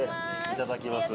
いただきます